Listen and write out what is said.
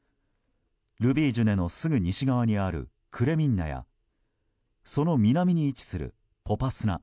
ルビージュネのすぐ西側にあるクレミンナやその南に位置するポパスナ。